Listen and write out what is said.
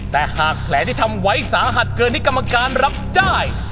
แต่หากแผลที่ทำไว้สาหัสเกินที่กรรมการรับได้